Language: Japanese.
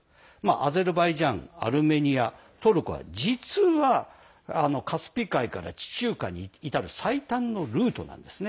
アゼルバイジャン、アルメニアトルコは実はカスピ海から地中海に至る最短のルートなんですね。